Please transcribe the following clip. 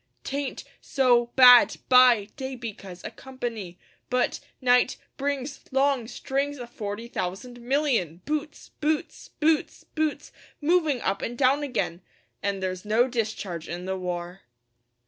'Tain't so bad by day because o' company, But night brings long strings o' forty thousand million Boots boots boots boots moving up and down again! An' there's no discharge in the war.